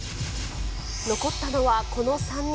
残ったのはこの３人。